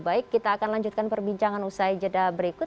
baik kita akan lanjutkan perbincangan usai jeda berikut